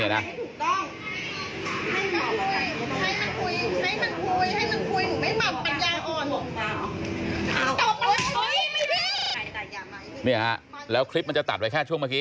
เนี่ยฮะคลิปมันจะตัดแค่ช่วงเมื่อกี้